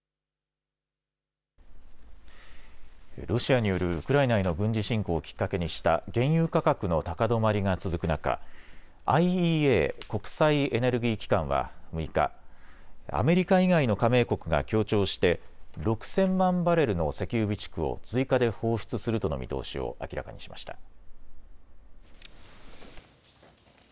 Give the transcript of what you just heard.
ロシアによるウクライナへの軍事侵攻をきっかけにした原油価格の高止まりが続く中、ＩＥＡ・国際エネルギー機関は６日、アメリカ以外の加盟国が協調して６０００万バレルの石油備蓄を追加で放出するとの見通しを明らかにしました。